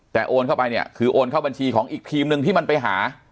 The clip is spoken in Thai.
แต่โอนเข้าไปเนี่ยคือโอนเข้าบัญชีของอีกทีมหนึ่งที่มันไปหา